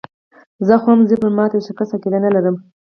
زه هم، خو زه پر ماتې او شکست عقیده نه لرم.